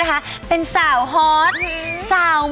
แอร์โหลดแล้วคุณล่ะโหลดแล้ว